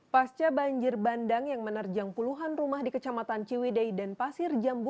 pasca banjir bandang yang menerjang puluhan rumah di kecamatan ciwidei dan pasir jambu